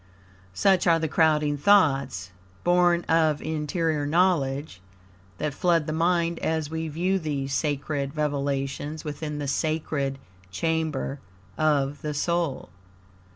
Such are the crowding thoughts, born of interior knowledge, that flood the mind as we view these sacred revelations within the sacred chamber of the soul.